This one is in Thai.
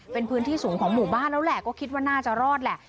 เป็นพื้นที่สูงของหมู่บ้านแล้วแหละก็คิดว่าน่าจะรอดแหละ